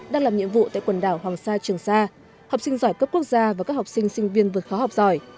đang làm nhiệm vụ tại quần đảo hoàng sa trường sa học sinh giỏi cấp quốc gia và các học sinh sinh viên vượt khó học giỏi